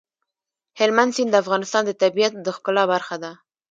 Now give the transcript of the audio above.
هلمند سیند د افغانستان د طبیعت د ښکلا برخه ده.